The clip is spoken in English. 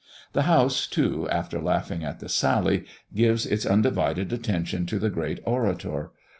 The House, too, after laughing at the sally, gives its undivided attention to the great orator.